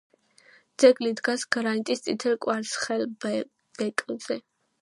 ძეგლი დგას გრანიტის წითელ კვარცხლბეკზე.